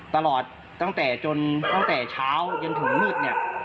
ตลอดตั้งแต่จนตั้งแต่เช้าจนถึงมืดเนี่ย